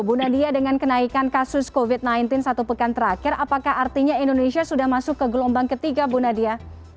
bu nadia dengan kenaikan kasus covid sembilan belas satu pekan terakhir apakah artinya indonesia sudah masuk ke gelombang ketiga bu nadia